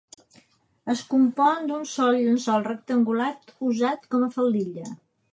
Es compon d'un sol llençol rectangular usat com a faldilla.